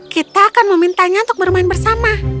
kita akan memintanya untuk bermain bersama